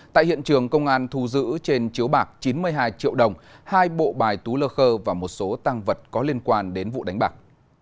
tại hiện trường công an thu giữ trên chiếu bạc chín mươi hai triệu đồng hai bộ bài tú lơ khơ và một số tăng vật có liên quan đến vụ đánh bạc